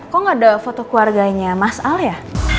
kok gak ada foto keluarganya mas al ya